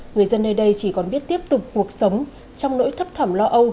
người dân nơi đây chỉ còn biết tiếp tục cuộc sống trong nỗi thấp thầm lo âu